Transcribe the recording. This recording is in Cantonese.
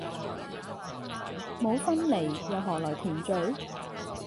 沒有分離，又可來團聚！